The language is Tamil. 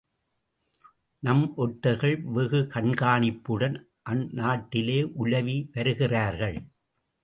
நம் ஒற்றர்கள் வெகு கண்காணிப்புடன் அந்நாட்டிலே உலவி வருகிறார்கள்!